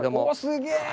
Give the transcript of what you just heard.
すげえ！